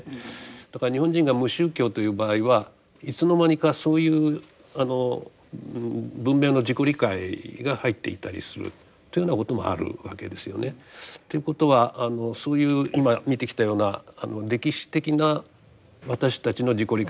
だから日本人が無宗教という場合はいつの間にかそういう文明の自己理解が入っていたりするというようなこともあるわけですよね。ということはそういう今見てきたような歴史的な私たちの自己理解。